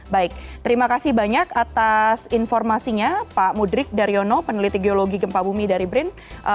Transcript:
baik terima kasih banyak atas informasinya pak mudrik daryono peneliti geologi gempa bumi dari brin